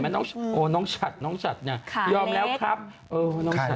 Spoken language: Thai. แฟนก็ช่วงครอบชวนมาทางกับไปกินข้าว